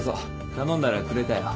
頼んだらくれたよ。